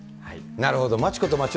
なるほど。